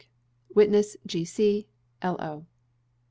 Witness, G.C. L.O.